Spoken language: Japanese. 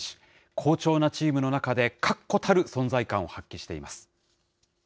好調なチームの中で確固たる存在感を発揮しています。